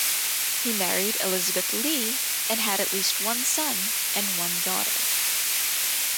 He married Elizabeth Lee and had at least one son and one daughter.